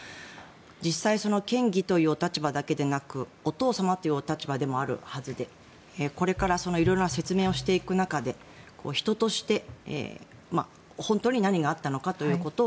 実際、県議という立場だけでなくお父様という立場でもあるはずでこれから色々な説明をしていく中で人として、本当に何があったのかということを